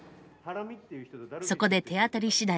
そこで手当たりしだい